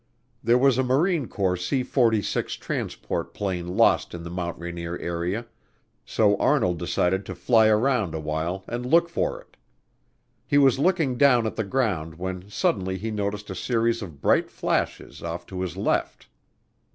There was a Marine Corps C 46 transport plane lost in the Mount Rainier area, so Arnold decided to fly around awhile and look for it. He was looking down at the ground when suddenly he noticed a series of bright flashes off to his left.